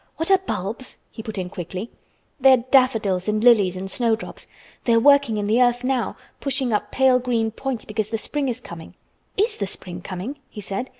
"What are bulbs?" he put in quickly. "They are daffodils and lilies and snowdrops. They are working in the earth now—pushing up pale green points because the spring is coming." "Is the spring coming?" he said.